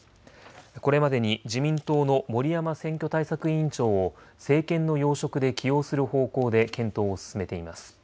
これまでに自民党の森山選挙対策委員長を政権の要職で起用する方向で検討を進めています。